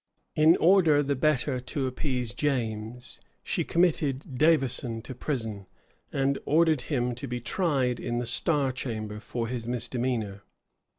[*] In order the better to appease James, she committed Davison to prison, and ordered him to be tried in the star chamber for his misdemeanor.